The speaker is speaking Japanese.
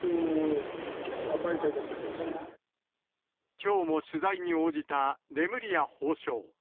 きょうも取材に応じたレムリア法相。